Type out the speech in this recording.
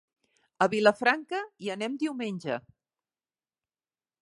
A Vilafranca hi anem diumenge.